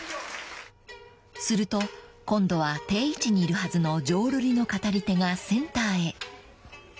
［すると今度は定位置にいるはずの浄瑠璃の語り手がセンターへ］